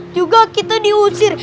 juga kita diusir